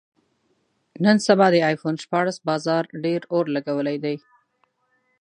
نن سبا د ایفون شپاړس بازار ډېر اور لګولی دی.